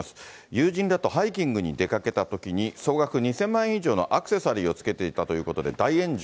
友人らとハイキングに出かけたときに、総額２０００万円以上のアクセサリーをつけていたということで、大炎上。